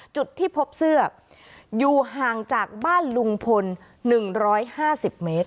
จุดที่พบเสื้ออยู่ห่างจากบ้านลุงพล๑๕๐เมตร